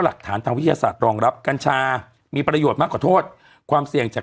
หลักฐานทางวิทยาศาสตร์รองรับกัญชามีประโยชน์มากกว่าโทษความเสี่ยงจาก